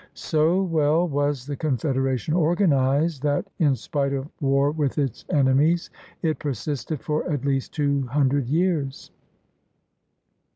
So well was the confederation organized that, in spite of war with its enemies, it persisted for at least two hundred years.